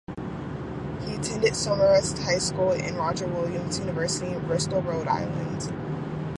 He attended Somerset High School and Roger Williams University in Bristol, Rhode Island.